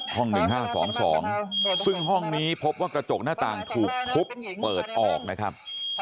ห้องหนึ่งห้าสองสองซึ่งห้องนี้พบว่ากระจกหน้าต่างถูกพุบเปิดออกนะครับ